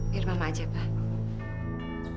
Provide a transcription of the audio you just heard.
biar mama aja pak